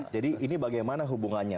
jadi ini bagaimana hubungannya